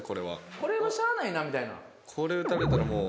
これはしゃあないなみたいな？